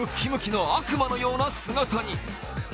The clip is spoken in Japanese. ｋの悪魔のような姿に。